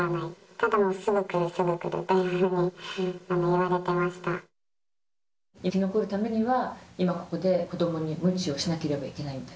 ただもう、すぐ来る、すぐ来ると生き残るためには、今ここで、子どもにむちをしなければいけないと？